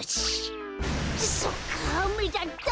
そっかあめだった！